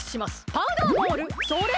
パウダーボールそれ！